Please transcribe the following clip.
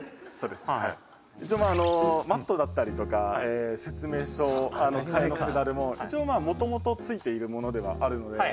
「一応まああのマットだったりとか説明書替えのペダルも一応まあもともと付いているものではあるので」